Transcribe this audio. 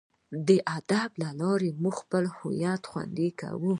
د ادب له لارې موږ خپل هویت خوندي کوو.